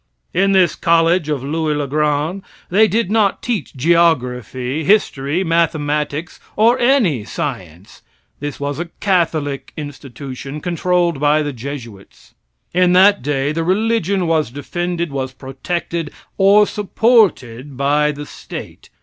In this college of Louis le Grand they did not teach geography, history, mathematics, or any science. This was a Catholic institution, controlled by the Jesuits. In that day the religion was defended, was protected, or supported by the state.